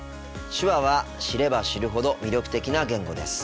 手話は知れば知るほど魅力的な言語です。